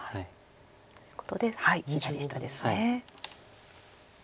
ということで左下ですね。